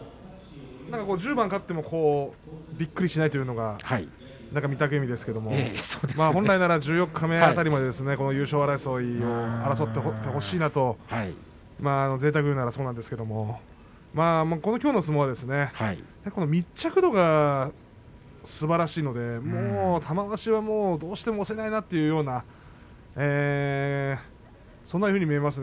１０番勝ってもびっくりしないというのが御嶽海ですけれど本来なら十四日目辺りでも優勝争い、争っていてほしいなとぜいたくを言うとそうなんですけれどきょうの相撲は密着度がすばらしいのでもう玉鷲はどうしても押せないなというようなそんなふうに見えますね。